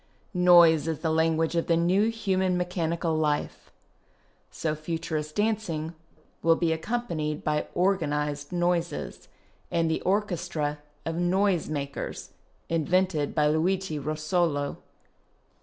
Noise is the language of the new human mechanical life." So Futurist dancing will be accompanied by " organized noises " and the orchestra of " noise makers " invented by Luigi Russolo.